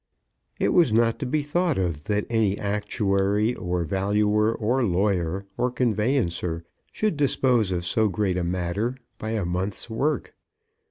It was not to be thought of that any actuary, or valuer, or lawyer, or conveyancer, should dispose of so great a matter by a month's work.